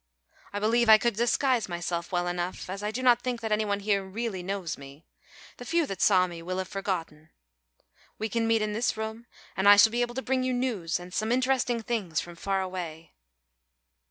I believe I could disguise myself well enough, as I do not think that any one here really knows me, the few that saw me will have forgotten me. We can meet in this room and I shall be able to bring you news and some interesting things from far away."